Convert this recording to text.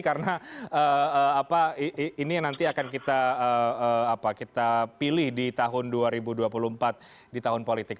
karena ini nanti akan kita pilih di tahun dua ribu dua puluh empat di tahun politik